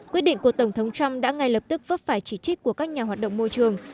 quyết định của tổng thống trump đã ngay lập tức vấp phải chỉ trích của các nhà hoạt động môi trường